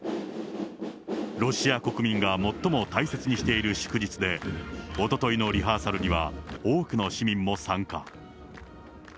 ロシア国民が最も大切にしている祝日で、おとといのリハーサルには、多くの市民も参加。